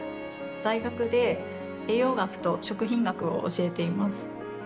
大学で栄養学と食品学を教えています。